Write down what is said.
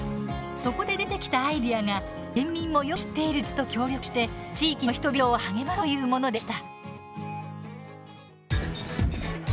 そこで出てきたアイデアが県民もよく知っているＪＥＴＳと協力して地域の人々を励まそうというものでした。